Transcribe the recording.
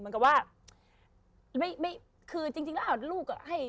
มันก็ว่า